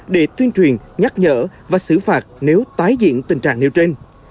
để tuyên truyền nhắc nhở và xử phạt nếu tái diễn tình trạng nêu trên